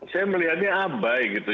saya melihatnya abai gitu